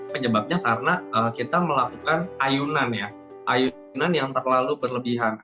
penyebabnya karena kita melakukan ayunan ya ayunan yang terlalu berlebihan